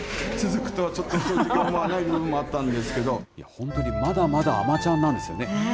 本当にまだまだ、あまちゃんなんですよね。